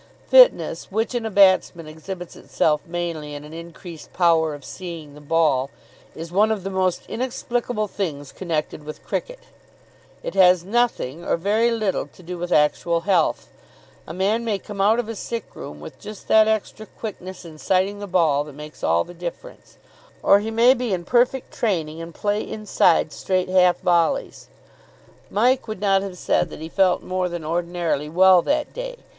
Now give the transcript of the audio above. Fitness, which in a batsman exhibits itself mainly in an increased power of seeing the ball, is one of the most inexplicable things connected with cricket. It has nothing, or very little, to do with actual health. A man may come out of a sick room with just that extra quickness in sighting the ball that makes all the difference; or he may be in perfect training and play inside straight half volleys. Mike would not have said that he felt more than ordinarily well that day.